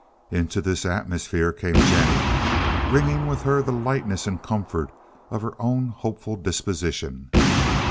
Into this atmosphere came Jennie, bringing with her the lightness and comfort of her own hopeful disposition.